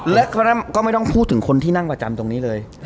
และก็ไม่ต้องพูดถึงคนที่นั่งประจำตรงนี้เลย